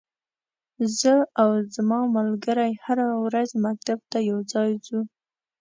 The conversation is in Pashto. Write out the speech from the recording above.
زه او ځما ملګری هره ورځ مکتب ته یوځای زو.